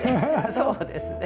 そうですね。